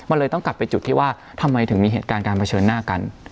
มันเลยต้องกลับไปจุดที่ว่าทำไมถึงมีเหตุการณ์การเผชิญหน้ากัน